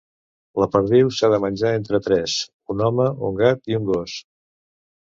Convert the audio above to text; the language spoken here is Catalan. La perdiu s'ha de menjar entre tres: un home, un gat i un gos.